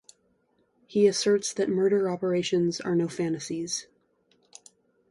He asserts that murder operations are no fantasies.